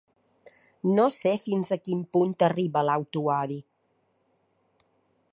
No sé fins a quin punt arriba l’autoodi!